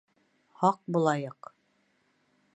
Һаҡ булайыҡ.